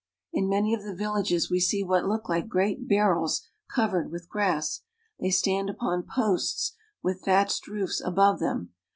^^ In many of the villages ^i we see what look like great barrels covered with grai>, they stand upon posts w th \ ed the roof thatched roofs above them.